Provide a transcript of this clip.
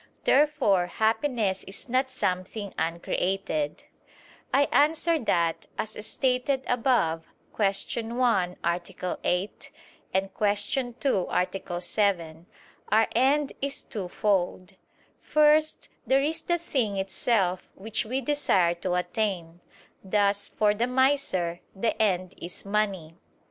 Therefore happiness is not something uncreated. I answer that, As stated above (Q. 1, A. 8; Q. 2, A. 7), our end is twofold. First, there is the thing itself which we desire to attain: thus for the miser, the end is money.